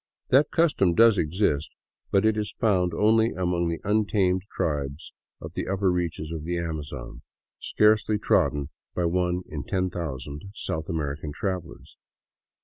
That custom does exist, but it is found only among the un tamed tribes of the upper reaches of the Amazon, scarcely trodden by one in ten thousand South American travelers.